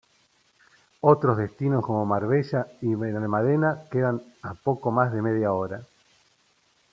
Otros destinos como Marbella y Benalmádena quedan a poco más de media hora.